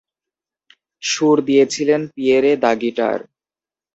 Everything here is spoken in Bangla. সুর দিয়েছিলেন পিয়েরে দ্য গিটার।